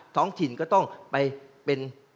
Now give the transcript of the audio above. ท้องถิ่นก็ต้องไปเป็น